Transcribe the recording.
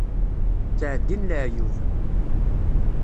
Ttεeddin leεyub.